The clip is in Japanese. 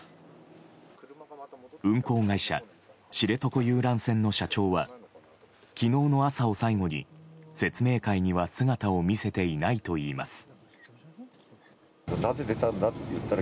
運航会社、知床遊覧船の社長は昨日の朝を最後に説明会には姿を見せていないといいます。